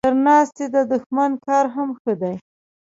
تر ناستي د دښمن کار هم ښه دی.